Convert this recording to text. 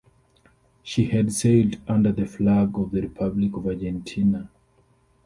She had sailed under the flag of the Republic of Argentina.